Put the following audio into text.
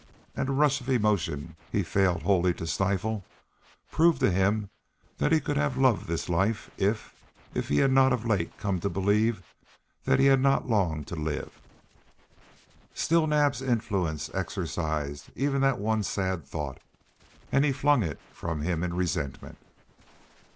And a rush of emotion he failed wholly to stifle proved to him that he could have loved this life if if he had not of late come to believe that he had not long to live. Still Naab's influence exorcised even that one sad thought; and he flung it from him in resentment.